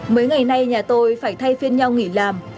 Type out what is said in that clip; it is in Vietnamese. mấy ngày nay nhà tôi phải thay phiên nhau nghỉ làm